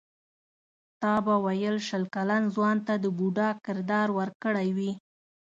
تا به ویل شل کلن ځوان ته د بوډا کردار ورکړی وي.